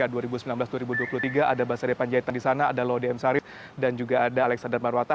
ada basaripan jaitan di sana ada laudem sarif dan juga ada alexander marwata